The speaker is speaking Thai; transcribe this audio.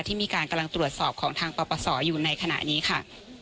ที่มีการกำลังตรวจสอบของทางปปศอยู่ในขณะนี้ค่ะ